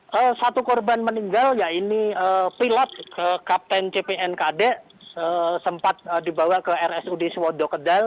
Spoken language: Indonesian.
ya satu korban meninggal ya ini pilot kapten cpn kd sempat dibawa ke rsud suwodo kedal